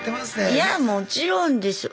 いやもちろんですよ。